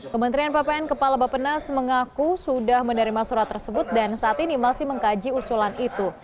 kementerian ppn kepala bapenas mengaku sudah menerima surat tersebut dan saat ini masih mengkaji usulan itu